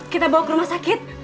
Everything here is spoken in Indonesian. kita bawa ke rumah sakit